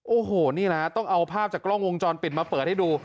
โอ้โหนี่แหละต้องเอาภาพจากกล้องวงจรปิดมาเปิดให้ดู